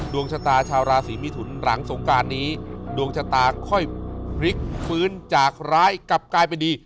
ดวงชะตาชาวราศีมิถุนหลังสงการนี้ดวงชะตาค่อยพลิกฟื้นจากร้ายกลับกลายเป็นดี